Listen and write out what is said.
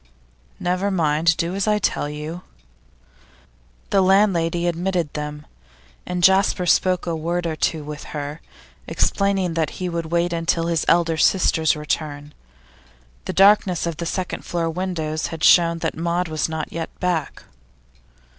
'Never mind; do as I tell you.' The landlady admitted them, and Jasper spoke a word or two with her, explaining that he would wait until his elder sister's return; the darkness of the second floor windows had shown that Maud was not yet back.